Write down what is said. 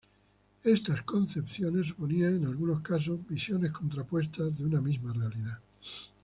Estas concepciones suponían, en algunos casos, visiones contrapuestas de una misma realidad.